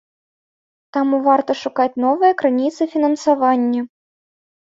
Таму варта шукаць новыя крыніцы фінансавання.